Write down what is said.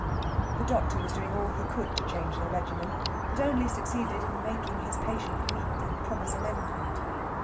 The doctor was doing all he could to change the regimen, but only succeeded on making his patient weak and promise amendment.